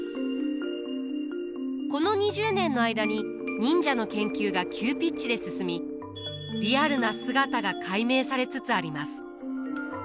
この２０年の間に忍者の研究が急ピッチで進みリアルな姿が解明されつつあります。